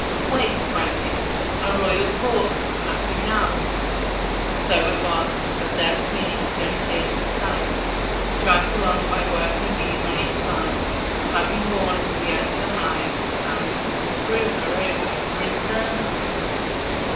"Wait," cried he; "a royal corpse is passing out!" And so it was;–a dead queen soon appeared in sight, dragged along by working bees on each side; who, having borne her to the edge of the hive stand, threw her over for interment.